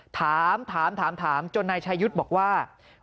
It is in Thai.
ถามถามจนนายชายุทธ์บอกว่า